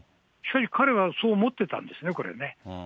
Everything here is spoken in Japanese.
しかし、彼はそう思ってたんですね、これね。